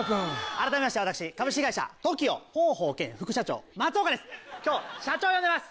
改めまして私株式会社ＴＯＫＩＯ広報兼副社長松岡です。